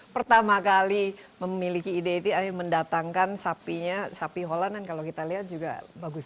pertama kali memiliki ide itu ayo mendatangkan sapinya sapi holanan kalau kita lihat juga bagus